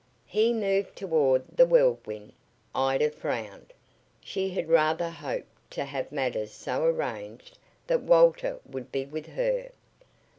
He moved toward the Whirlwind. Ida frowned. She had rather hoped to have matters so arranged that Walter would be with her.